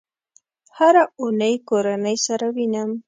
هره اونۍ کورنۍ سره وینم